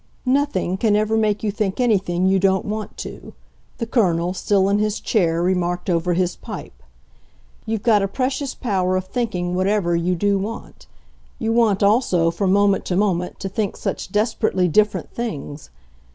"Nothing can ever make you think anything you don't want to," the Colonel, still in his chair, remarked over his pipe. "You've got a precious power of thinking whatever you do want. You want also, from moment to moment, to think such desperately different things.